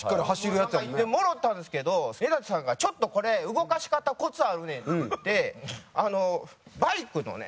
もらったんですけど根建さんが「ちょっとこれ動かし方コツあるねん」って言ってバイクのね